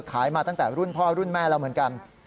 มาตั้งแต่รุ่นพ่อรุ่นแม่แล้วเหมือนกัน